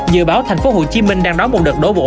dự báo thành phố hồ chí minh đang đón một đợt đổ bộ